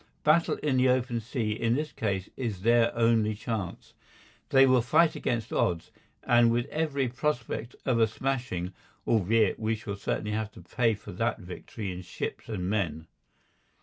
Battle in the open sea in this case is their only chance. They will fight against odds, and with every prospect of a smashing, albeit we shall certainly have to pay for that victory in ships and men.